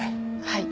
はい。